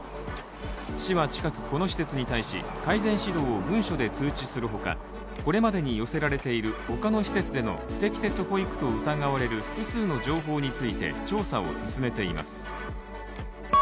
市は近くこの施設に対し改善指導を文書で通知するほかこれまでに寄せられている他の施設での不適切保育と疑われる複数の情報について、調査を進めています。